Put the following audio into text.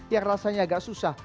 yang rasanya agak susah